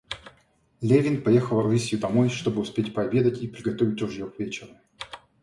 Левин поехал рысью домой, чтоб успеть пообедать и приготовить ружье к вечеру.